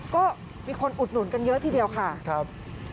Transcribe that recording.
ก็มีคนอุดหนุนกันเยอะทีเดียวค่ะครับ